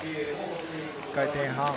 １回転半。